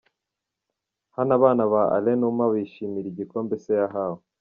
Hano abana ba Alain Numa bishimiraga igikombe Se yahawe.